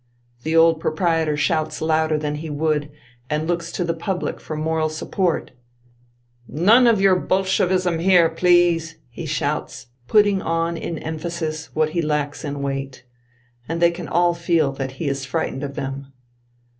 The old pro prietor shouts louder than he \?»uld and looks to the pubhc for moral support. " l^<m^ of your Bolshevism here, please 1 " he shouts, putting on in emphasis what he lacks in weight ; and they can all feel that he is frightened of them.